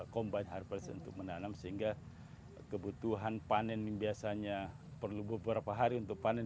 combined harvester untuk menanam sehingga kebutuhan panen biasanya perlu beberapa hari untuk panen